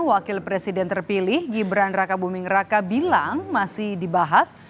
wakil presiden terpilih gibran raka buming raka bilang masih dibahas